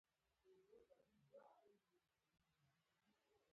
د دې پر ځای چې بریا ونمانځل شي بریا وغندل شوه.